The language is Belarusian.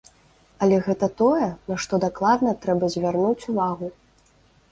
Але гэта тое, на што дакладна трэба звярнуць увагу.